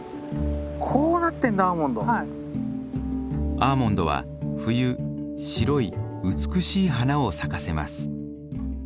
アーモンドは冬白い美しい花を咲かせます。